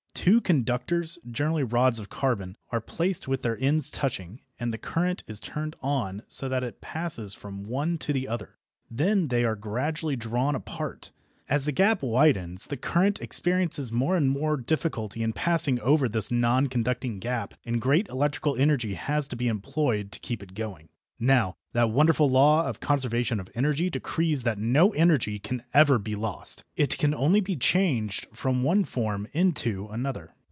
Two conductors, generally rods of carbon, are placed with their ends touching, and the current is turned on so that it passes from one to the other. Then they are gradually drawn apart. As the gap widens the current experiences more and more difficulty in passing over this non conducting gap, and great electrical energy has to be employed to keep it going. Now that wonderful law of the Conservation of Energy decrees that no energy can ever be lost. It can only be changed from one form into another.